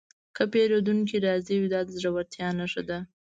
که پیرودونکی راضي وي، دا د زړورتیا نښه ده.